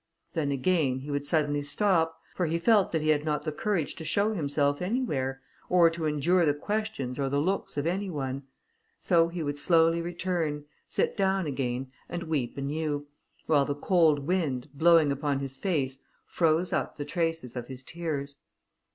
Then again, he would suddenly stop; for he felt that he had not the courage to show himself anywhere, or to endure the questions or the looks of any one; so he would slowly return, sit down again, and weep anew, while the cold wind, blowing upon his face, froze up the traces of his tears.